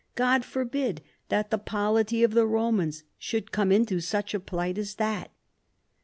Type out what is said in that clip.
God forbid that the polity of the Romans should come into such a plight as that."